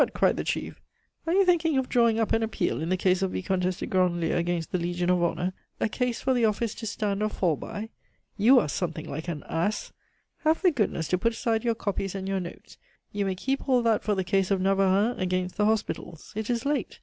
cried the chief, "are you thinking of drawing up an appeal in the case of Vicomtesse de Grandlieu against the Legion of Honor a case for the office to stand or fall by? You are something like an ass! Have the goodness to put aside your copies and your notes; you may keep all that for the case of Navarreins against the Hospitals. It is late.